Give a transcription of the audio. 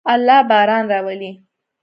الله باران راولي.